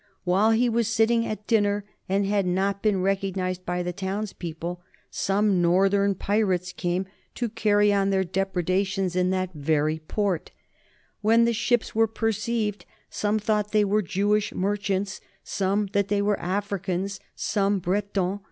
While he was sitting at dinner, and had not been recognized by the townspeople, some northern pirates came to carry on their depredations in that 32 NORMANS IN EUROPEAN HISTORY very port. When the ships were perceived some thought they were Jewish merchants, some that they were Africans, some Bretons.